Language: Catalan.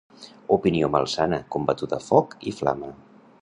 Opinió malsana, combatuda a foc i flama.